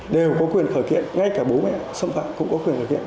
đều có quyền khởi kiện ngay cả bố mẹ xâm phạm cũng có quyền khởi kiện